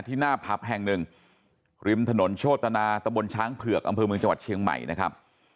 หน้าผับแห่งหนึ่งริมถนนโชตนาตะบนช้างเผือกอำเภอเมืองจังหวัดเชียงใหม่นะครับ